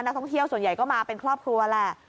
นักท่องเที่ยวส่วนใหญ่ก็มาเป็นครอบครัวแหละ